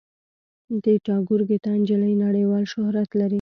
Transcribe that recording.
د ټاګور ګیتا نجلي نړیوال شهرت لري.